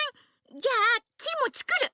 じゃあキイもつくる！